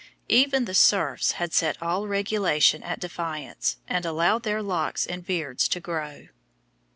Even the serfs had set all regulation at defiance, and allowed their locks and beards to grow.